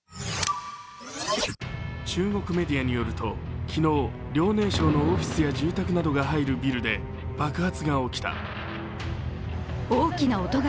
中国メディアによると昨日、遼寧省のオフィスや住宅などが入るビルで爆発が起きた。